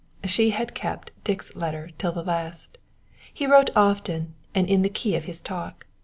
She had kept Dick's letter till the last. He wrote often and in the key of his talk.